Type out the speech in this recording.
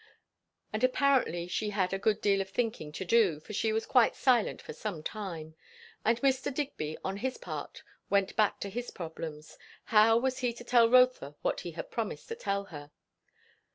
And apparently she had a good deal of thinking to do; for she was quite silent for some time. And Mr. Digby on his part went back to his problem, how was he to tell Rotha what he had promised to tell her?